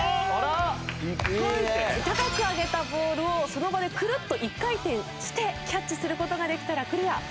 高く上げたボールをその場でくるっと１回転してキャッチする事ができたらクリア。